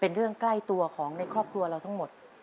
เป็นเรื่องใกล้ตัวของในครอบครัวเราทั้งหมด